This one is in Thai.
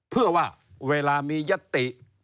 เพื่อว่าเวลามียติ